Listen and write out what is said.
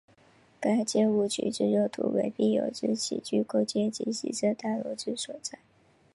该建物群之用途为病友之起居空间及行政大楼之所在。